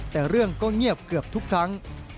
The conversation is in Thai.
แต่เรื่องก็เงียบเกือบทุกครั้ง